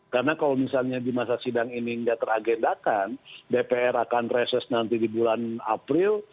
karena kalau misalnya di masa sidang ini tidak teragendakan dpr akan reses nanti di bulan april